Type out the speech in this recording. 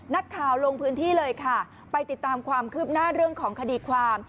ลงพื้นที่เลยค่ะไปติดตามความคืบหน้าเรื่องของคดีความ